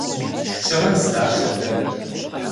Щыгъын здащэр дэнэ?